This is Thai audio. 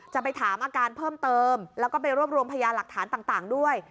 จะไปถามอาการเพิ่มเติมแล้วก็ไปรวบรวมพยาหลักฐานต่างด้วย